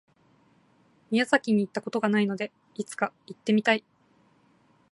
宮崎に行った事がないので、いつか行ってみたい。